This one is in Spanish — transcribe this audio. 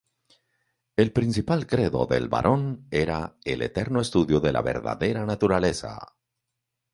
El principal credo del barón era "el eterno estudio de la verdadera naturaleza".